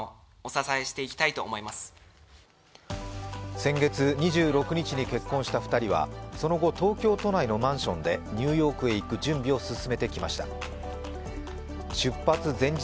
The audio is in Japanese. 先月２６日に結婚した２人はその後、東京都内のマンションでニューヨークへ行く準備を進めてきました。